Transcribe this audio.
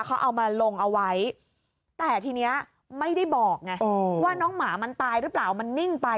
เขาเอามาลงเอาไว้แต่ทีนี้ไม่ได้บอกไงว่าน้องหมามันตายหรือเปล่ามันนิ่งไป